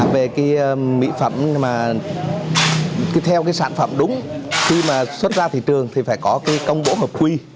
về cái mỹ phẩm mà cứ theo cái sản phẩm đúng khi mà xuất ra thị trường thì phải có cái công bố hợp quy